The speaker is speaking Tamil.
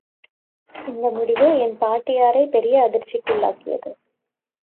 இந்த முடிவு என் பாட்டியாரை பெரிய அதிர்ச்சிக்குள்ளாக்கியது.